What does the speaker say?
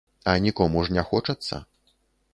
А нікому ж не хочацца.